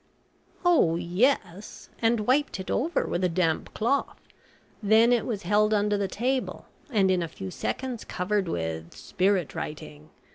"Oh yes, and wiped it over with a damp cloth. Then it was held under the table, and in a few seconds covered with `spirit writing.'